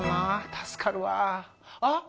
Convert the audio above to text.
助かるわあっ。